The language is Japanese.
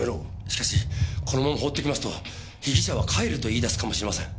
しかしこのまま放っておきますと被疑者は帰ると言い出すかもしれません。